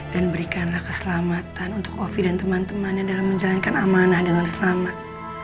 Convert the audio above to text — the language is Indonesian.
dan berikanlah keselamatan untuk ovi dan teman temannya dalam menjalankan amanah dan ulang selamat